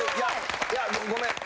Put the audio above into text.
いやごめん。